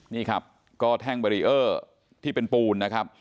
นี่ครับก็แท่งเบรีเออร์ที่เป็นปูนนะครับ